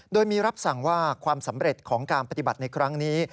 โดยมีรับสั่งว่าความสำเร็จของการปฏิบัติในครั้งนี้